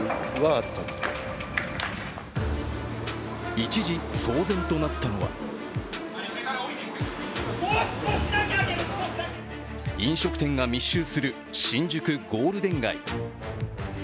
一時、騒然となったのは飲食店が密集する新宿ゴールデン街。